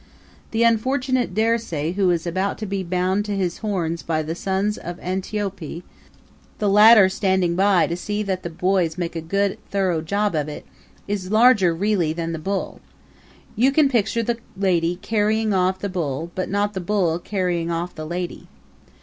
The unfortunate Dirce, who is about to be bound to his horns by the sons of Antiope, the latter standing by to see that the boys make a good thorough job of it, is larger really than the bull. You can picture the lady carrying off the bull but not the bull carrying off the lady.